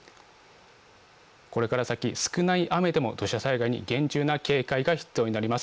これから先、少ない雨でも土砂災害に厳重な警戒が必要になります。